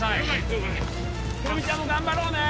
了解胡桃ちゃんも頑張ろうね